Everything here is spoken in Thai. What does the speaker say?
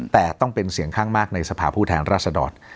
แต่ต้องเป็นเสียงข้างมากในสภาพผู้แทนราษดร